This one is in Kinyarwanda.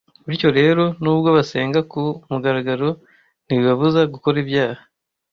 Bityo rero, nubwo basenga ku mugaragaro ntibibabuza gukora ibyaha